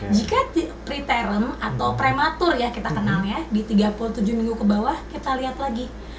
jika preteram atau prematur ya kita kenal ya di tiga puluh tujuh minggu ke bawah kita lihat lagi